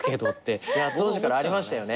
当時からありましたよね。